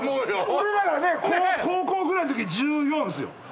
俺らがね高校ぐらいの時１４ですよ